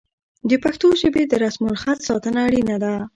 د پښتو ژبې د رسم الخط ساتنه اړینه ده.